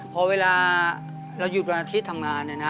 พอเวลาเราหยุดวันอาทิตย์ทำงาน